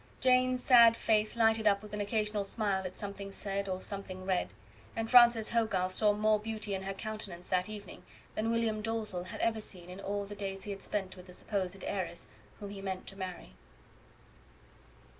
Jane's sad face lighted up with an occasional smile at something said or something read; and Francis Hogarth saw more beauty in her countenance that evening than William Dalzell had ever seen in all the days he had spent with the supposed heiress whom he meant to marry.